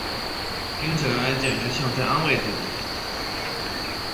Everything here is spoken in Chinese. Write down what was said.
听起来简直像在安慰自己